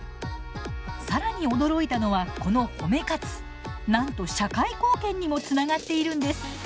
更に驚いたのはこの褒め活なんと社会貢献にもつながっているんです。